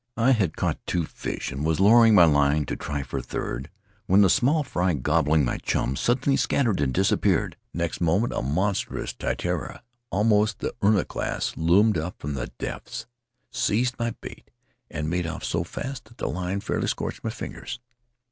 I had caught two fish and was lowering my line to try for a third, when the small fry gobbling my chum suddenly scattered and disappeared. Next moment a monstrous titiara — almost in the urua class — loomed up from the depths, seized my bait, and made off so fast that the line fairly scorched my fingers.